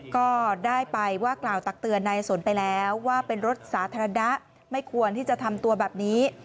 ก็ได้ไปว่ากล่าวตักเตือนนายสนไปแล้วว่าเป็นรถสาธารณะไม่ควรที่จะทำตัวแบบนี้